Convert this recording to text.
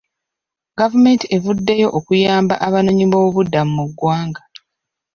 Gavumenti evuddeyo okuyamba abanoonyi b'obubuddamu mu ggwanga.